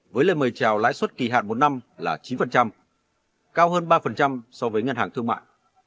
với lời mời trào lãi suất kỳ hạn một năm là chín cao hơn ba so với ngân hàng thương mại